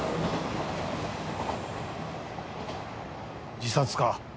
・自殺か？